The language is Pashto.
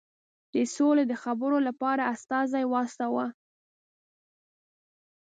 د سولي د خبرو لپاره استازی واستاوه.